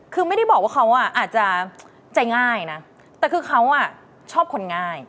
คือไม่ได้บอกว่าเขาอาจจะใจง่ายนะแต่คือเขาชอบคนง่าย